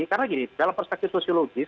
karena gini dalam perspektif sosiologis